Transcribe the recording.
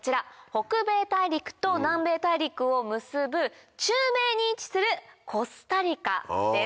北米大陸と南米大陸を結ぶ中米に位置するコスタリカです。